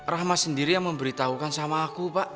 rahma sendiri yang memberitahukan sama aku pak